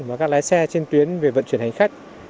và các lái xe trên tuyến về vận chuyển hành khách